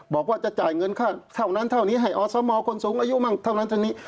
บอกว่าจะจ่ายเงินค่าเท่านั้นเท่านี้ให้อสมคนสูงอายุมั่งเท่านั้นเท่านี้